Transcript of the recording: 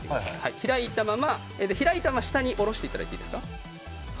開いたまま、下に下ろしていただいていいですか。